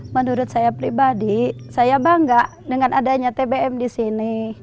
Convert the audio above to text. menurut saya pribadi saya bangga dengan adanya tbm di sini